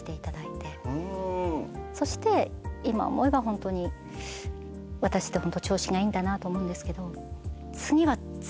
そして今思えばホントに私ってホント調子がいいんだなと思うんですけど。